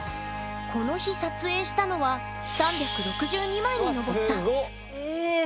この日撮影したのは３６２枚に上った。